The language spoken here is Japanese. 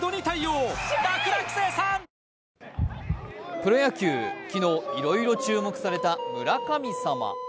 プロ野球昨日いろいろ注目された村神様。